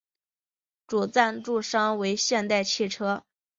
主赞助商为现代汽车。